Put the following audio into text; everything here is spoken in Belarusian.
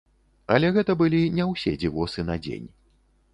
Але гэта былі не ўсе дзівосы на дзень.